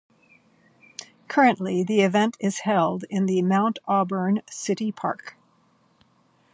Currently the event is held in the Mount Auburn city park.